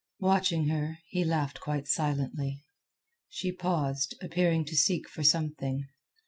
Watching her, he laughed quite silently. She paused, appearing to seek for something.